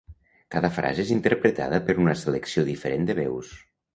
Cada frase és interpretada per una selecció diferent de veus.